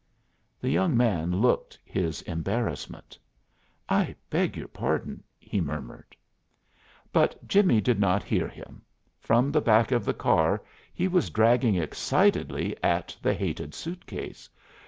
The young man looked his embarrassment. "I beg your pardon," he murmured. But Jimmie did not hear him. From the back of the car he was dragging excitedly at the hated suitcase.